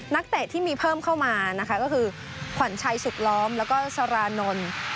เตะที่มีเพิ่มเข้ามานะคะก็คือขวัญชัยสุดล้อมแล้วก็สารานนท์